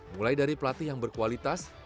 mulai dari pelatih yang berkualitas